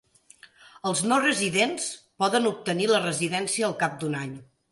Els no residents poden obtenir la residència al cap d'un any.